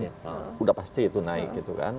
sudah pasti itu naik gitu kan